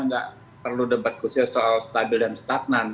nggak perlu debat khusus soal stabil dan stagnan